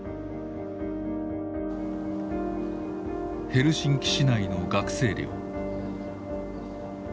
ヘルシンキ市内の学生寮。